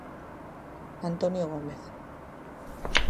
Antonio Gómez.